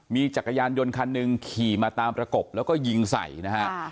มีจักรยานยนต์คันหนึ่งขี่มาตามประกบแล้วก็ยิงใส่นะฮะ